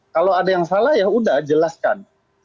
kalau ada yang salah ya udah jelaskan